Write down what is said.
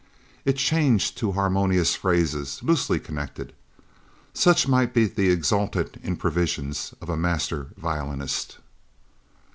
It changed to harmonious phrases loosely connected. Such might be the exultant improvisations of a master violinist.